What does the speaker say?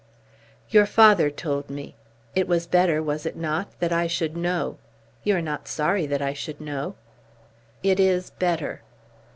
"Your father told me. It was better, was it not? that I should know. You are not sorry that I should know?" "It is better."